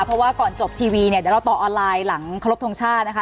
เพราะว่าก่อนจบทีวีเนี่ยเดี๋ยวเราต่อออนไลน์หลังครบทรงชาตินะคะ